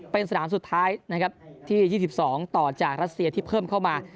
เป็นสนามสุดท้ายนะครับที่๒๒ต่อจากรัสเซียที่เพิ่มเข้ามา